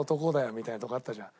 みたいなところあったじゃん？